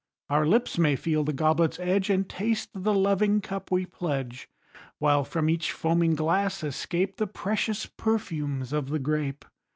Our lips may feel the goblet's edge And taste the loving cup we pledge. While from each foaming glass escape The precious perfumes of the grape.